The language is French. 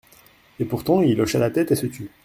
Et pourtant …» Il hocha la tête, et se tut.